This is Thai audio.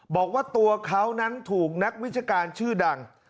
บอกว่าตัวเขานั้นถูกนักวิชาการชื่อดัง